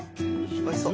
おいしそう。